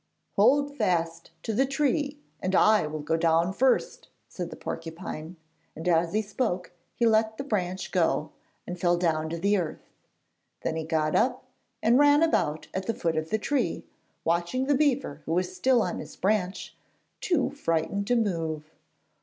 'Hold fast to the tree, and I will go down first,' said the porcupine, and as he spoke he let the branch go, and fell down to the earth. Then he got up, and ran about at the foot of the tree, watching the beaver who was still on his branch, too frightened to move.